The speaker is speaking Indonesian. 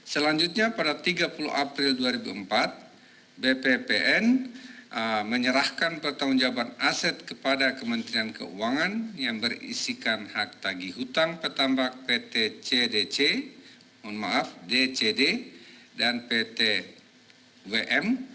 selanjutnya pada tiga puluh april dua ribu empat bppn menyerahkan pertanggung jawaban aset kepada kementerian keuangan yang berisikan hak tagi hutang petambak pt cdc mohon maaf dcd dan pt wm